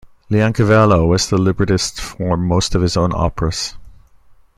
Leoncavallo was the librettist for most of his own operas.